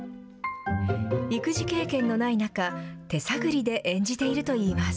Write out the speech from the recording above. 育児経験のない中、手探りで演じているといいます。